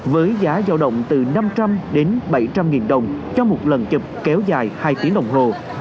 với giá giao động từ năm trăm linh đến bảy trăm linh nghìn đồng cho một lần chụp kéo dài hai tiếng đồng hồ